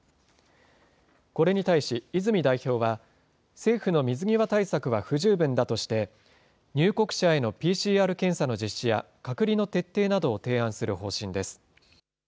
これに対し泉代表は、政府の水際対策は不十分だとして、入国者へのＰＣＲ検査の実施や、隔離の徹底などを提案する方針です。